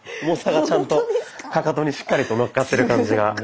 重さがちゃんとかかとにしっかりとのっかってる感じが。